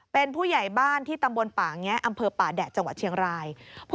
เป็นผู้ใหญ่บ้านที่ตำบลป่าแงะอำเภอป่าแดดจังหวัดเชียงราย